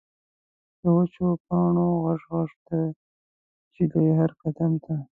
د وچو پاڼو غژ، غژ، د نجلۍ هر قدم ته